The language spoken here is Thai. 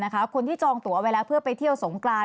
คนที่จองตัวไว้แล้วเพื่อไปเที่ยวสงกราน